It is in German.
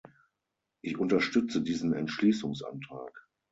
Ich unterstütze diesen Entschließungsantrag.